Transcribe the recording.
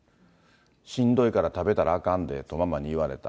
しんどいから食べたらあかんでとママに言われた。